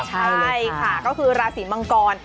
ใช่ค่ะก็คือราศีมังกร